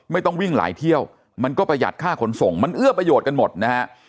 ไม่ต้องวิ่งหลายเที่ยวมันก็ประหยัดค่าขนส่งมันเอื้อประโยชน์กันหมดนะฮะ